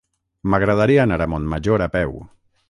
M'agradaria anar a Montmajor a peu.